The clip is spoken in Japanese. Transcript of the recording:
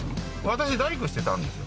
私大工してたんですよ。